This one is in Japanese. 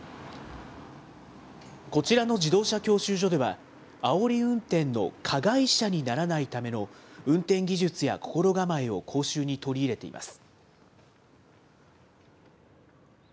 こちらの自動車教習所では、あおり運転の加害者にならないための運転技術や心構えを講習に取り入れています。